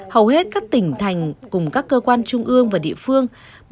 hầu hết các tỉnh thành cùng các cơ quan trung ương và địa phương